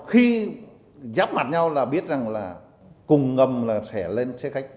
khi giáp mặt nhau là biết rằng là cùng ngầm là xẻ lên xe khách